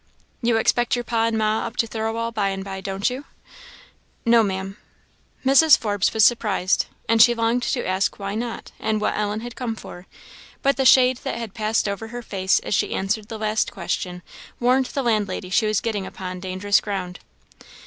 "You expect your pa and ma up to Thirlwall by and by, don't you?" "No, Maam." Mrs. Forbes was surprised, and longed to ask why not, and what Ellen had come for; but the shade that had passed over her face as she answered the last question, warned the landlady she was getting upon dangerous ground.